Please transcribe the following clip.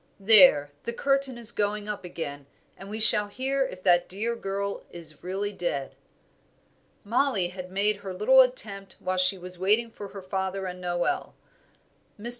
There! the curtain is going up again, and we shall hear if that dear girl is really dead." Mollie had made her little attempt while she was waiting for her father and Noel. Mr.